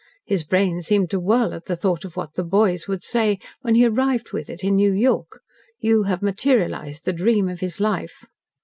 His brain seemed to whirl at the thought of what 'the boys' would say, when he arrived with it in New York. You have materialised the dream of his life!"